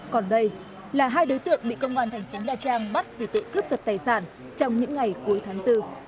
còn đây là hai đối tượng bị công an thành phố đà trang bắt về tội cướp giật tài sản trong những ngày cuối tháng bốn